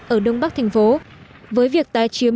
ở đông bắc thành phố với việc tái chiếm